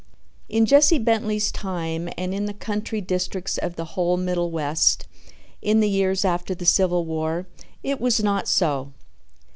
In Jesse Bentley's time and in the country districts of the whole Middle West in the years after the Civil War it was not so.